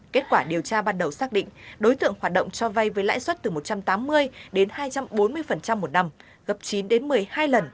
kết quả điều tra ban đầu xác định đối tượng hoạt động cho vay với lãi suất từ một trăm tám mươi đến hai trăm bốn mươi một năm gấp chín đến một mươi hai lần